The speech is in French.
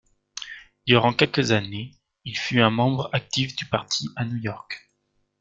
Durant quelques années il fut un membre actif du parti à New York.